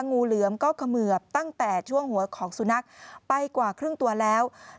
งูเหลือมก็เขมือบตั้งแต่ช่วงหัวของสุนัขไปกว่าครึ่งตัวแล้ว